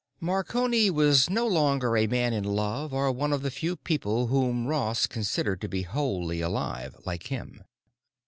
Marconi was no longer a man in love or one of the few people whom Ross considered to be wholly alive—like him.